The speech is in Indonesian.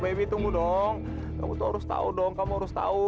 mbak evi tunggu dong kamu tuh harus tahu dong kamu harus tahu